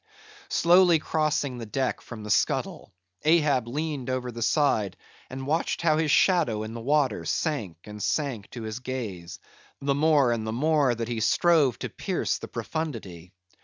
Slowly crossing the deck from the scuttle, Ahab leaned over the side and watched how his shadow in the water sank and sank to his gaze, the more and the more that he strove to pierce the profundity.